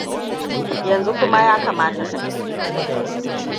Yanzu kuma ya kamata ka tafi.